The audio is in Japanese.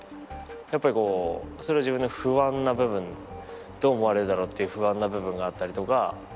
やっぱりこうそれは自分の不安な部分どう思われるだろうっていう不安な部分があったりとか。